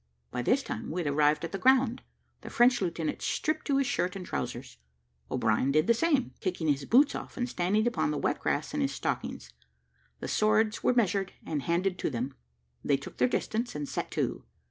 By this time we had arrived at the ground. The French lieutenant stripped to his shirt and trowsers; O'Brien did the same, kicking his boots off, and standing upon the wet grass in his stockings. The swords were measured, and handed to them: they took their distance, and set to.